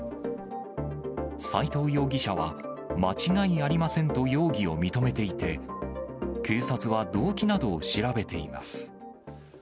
斎藤容疑者は、間違いありませんと容疑を認めていて、警察は動機などを調べています。